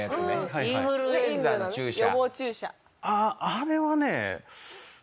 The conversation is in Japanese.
あれはね